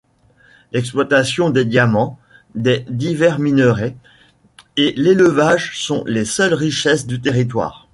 L'exploitation des diamants, des divers minerais et l'élevage sont les seules richesses du territoire.